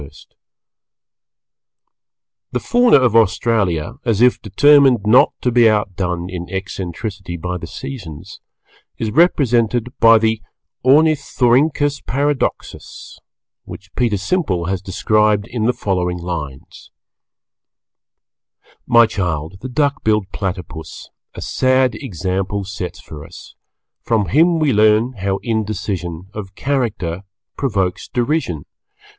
The Fauna of Australia, as if determined not to be outdone in eccentricity by the Seasons, is represented by the Ornithorynchus Paradoxus, which Peter Simple has described in the following lines My child, the Duck billed Platypus A sad example sets for us. From him we learn how indecision Of character provokes derision.